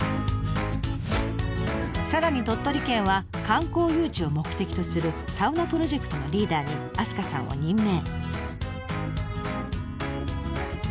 さらに鳥取県は観光誘致を目的とするサウナプロジェクトのリーダーに明日香さんを任命。